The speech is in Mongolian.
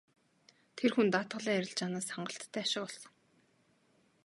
Тэр хүн даатгалын арилжаанаас хангалттай ашиг олдог.